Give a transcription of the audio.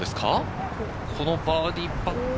このバーディーパット。